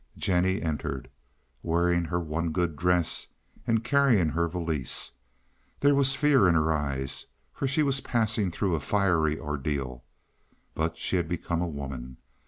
Jennie entered, wearing her one good dress and carrying her valise. There was fear in her eyes, for she was passing through a fiery ordeal, but she had become a woman.